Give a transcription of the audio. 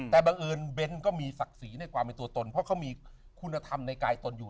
แต่บังเอิญเบ้นก็มีศักดิ์ศรีในความเป็นตัวตนเพราะเขามีคุณธรรมในกายตนอยู่